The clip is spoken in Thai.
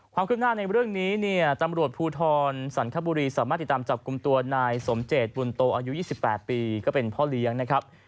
ความคืบหน้าในเรื่องนี้เนี่ยตำรวจภูทรสันคบุรีสามารถติดตามจับกลุ่มตัวนายสมเจตบุญโตอายุ๒๘ปีก็เป็นพ่อเลี้ยงนะครับ